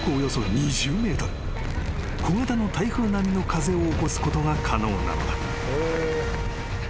［小型の台風並みの風を起こすことが可能なのだ］